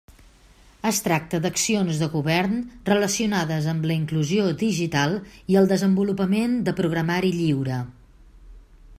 Es tracta d'accions de govern relacionades amb la inclusió digital i el desenvolupament de programari lliure.